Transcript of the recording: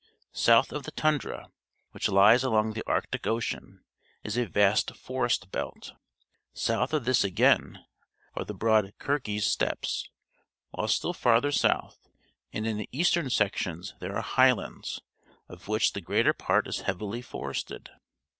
South of the tundra, which lies along the Arctic Ocean, is a vast forest belt. South of this again are the THE SOVIET REPUBLICS 209 broad Khirgiz Steppes; while still farther south and in the eastern sections there are highlands, of which the greater part is heavily forested.